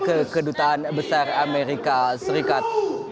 ke kedutaan besar amerika serikat